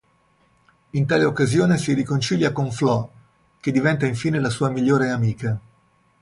In tale occasione si riconcilia con Flo, che diventa infine la sua migliore amica.